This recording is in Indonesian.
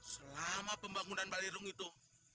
selama pembangunan balai rong itu